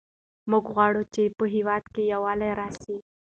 موږ غواړو چې په هېواد کې یووالی راسي.